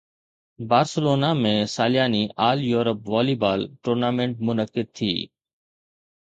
Barcelona ۾ سالياني all يورپ volleyball tournament منعقد ٿي